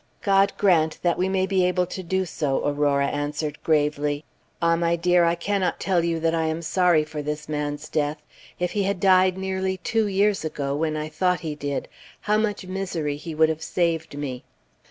"God grant that we may be able to do so," Aurora answered, gravely. "Ah! my dear, I can not tell you that I am sorry for this man's death. If he had died nearly two years ago, when I thought he did, how much misery he would have saved me!"